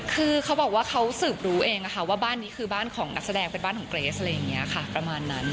คือเขาบอกว่าเขาสืบรู้เองว่าบ้านนี้คือบ้านของนักแสดงเป็นบ้านของเกรสอะไรอย่างนี้ค่ะประมาณนั้น